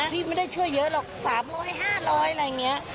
พี่ไม่ได้ช่วยเยอะหรอก๓๐๐๕๐๐อะไรอย่างนี้